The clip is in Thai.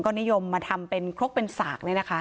นิยมมาทำเป็นครกเป็นสากเนี่ยนะคะ